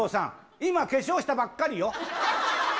今、化粧したばっかりよ。